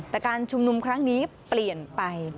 แต่การชุมนุมครั้งนี้เปลี่ยนไป